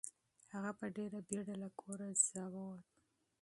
هغه په ډېرې بیړې سره له کوره ووت.